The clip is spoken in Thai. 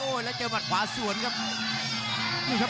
โอ้โหแล้วเจอหมัดขวาส่วนครับ